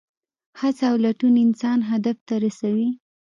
هڅه او لټون انسان هدف ته رسوي.